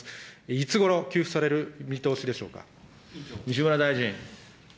いつごろ給付される見通しで西村大臣。